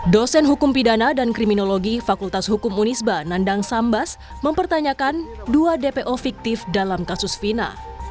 dosen hukum pidana dan kriminologi fakultas hukum unisba nandang sambas mempertanyakan dua dpo fiktif dalam kasus fina